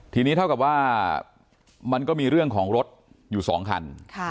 ทีนี้เท่ากับว่ามันก็มีเรื่องของรถอยู่๒คัน